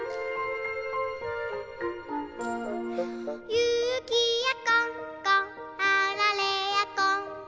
「ゆきやこんこあられやこんこ」